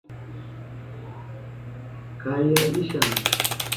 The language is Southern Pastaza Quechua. Kaya risha.